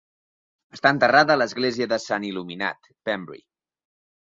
Està enterrada a l'Església de Sant Il·luminat, Pembrey.